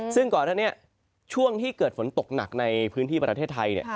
ซึ่งก่อนอันนี้ช่วงที่เกิดฝนตกหนักในพื้นที่ประเทศไทย